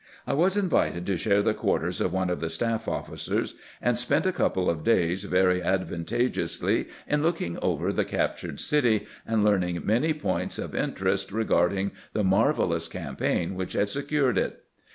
I was invited to share the quarters of one of the staff officers, and spent a couple of days very advantageously in looking over the captured city, and learning many points of in terest regarding the marvelous campaign which had secured it.